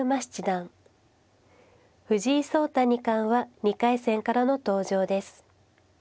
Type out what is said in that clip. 藤井聡太二冠は２回戦からの登場です。